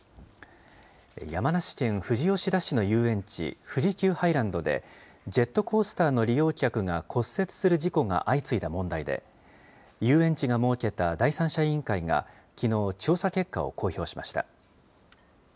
山梨県富士吉田市の遊園地、富士急ハイランドでジェットコースターの利用客が骨折する事故が相次いだ問題で、遊園地が設けた第三者委員会がきのう調査結果を公表しました。